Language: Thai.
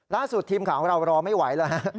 ล่าสุดทีมของเรารอไม่ไหวเลย